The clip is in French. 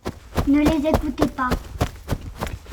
Ne les écoutez pas.